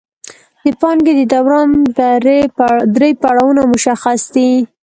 د پانګې د دوران درې پړاوونه مشخص دي